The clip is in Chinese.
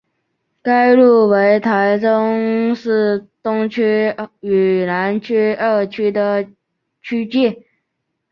该路为台中市东区与南区二区的区界。